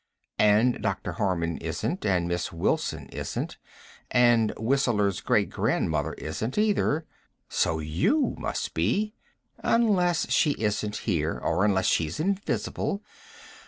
And Dr. Harman isn't, and Miss Wilson isn't, and Whistler's Great Grandmother isn't, either. So you must be. Unless she isn't here. Or unless she's invisible.